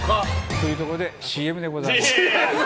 というところでＣＭでございます。